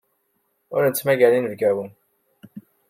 Ur nettmagar inebgawen.